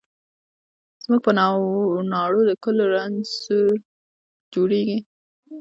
زموږ په ناړو د کلو رنځور جوړیږي